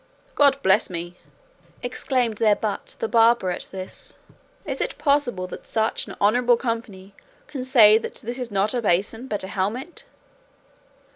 "God bless me!" exclaimed their butt the barber at this; "is it possible that such an honourable company can say that this is not a basin but a helmet?